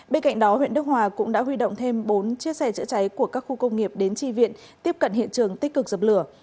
bên cạnh đó huyện đức hòa cũng đã huy động thêm bốn chiếc xe chữa cháy của các khu công nghiệp đến tri viện tiếp cận hiện trường tích cực dập lửa